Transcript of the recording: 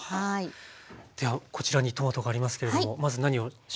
ではこちらにトマトがありますけれどもまず何をしましょうか。